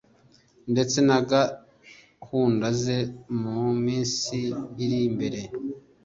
ndetse na gahunda ze mu minsi iri imbere